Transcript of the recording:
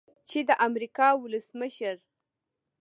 چې د امریکا ولسمشر